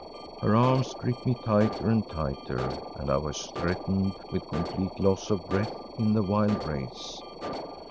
Her arms gripped me tighter and tighter and I was threatened with complete loss of breath in the wild race.